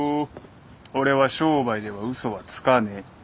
俺は商売ではうそはつかねえ。